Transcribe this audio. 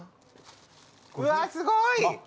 うわっすごい！